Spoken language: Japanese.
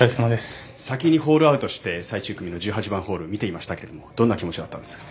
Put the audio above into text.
先にホールアウトして最終組の１８番ホール見ていましたけどどんな気持ちだったんですか？